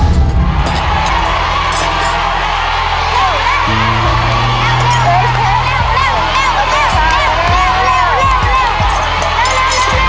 เร็ว